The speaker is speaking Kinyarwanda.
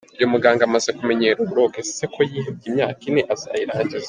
Uyu muganga amaze kumenyera uburoko! Ese ko yihebye imyaka ine azayirangiza ??.